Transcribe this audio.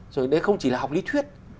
rồi đấy không chỉ là học lý thuyết